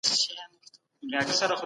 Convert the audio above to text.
احمد شاه ابدالي کشمیر ته کوم کسان ولېږل؟